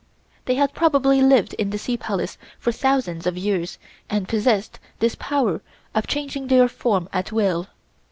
They had probably lived in the Sea Palace for thousands of years and possessed this power of changing their form at will.